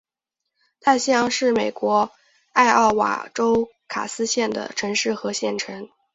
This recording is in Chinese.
大西洋是美国艾奥瓦州卡斯县的城市和县城。